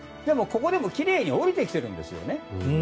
でも、ここでもきれいに降りてきているんですよね。